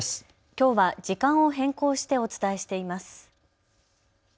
きょうは時間を変更してお伝えしています。